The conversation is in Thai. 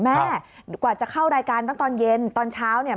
กว่าจะเข้ารายการตั้งตอนเย็นตอนเช้าเนี่ย